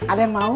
ada yang mau